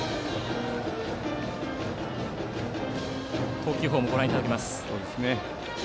投球フォームをご覧いただきます。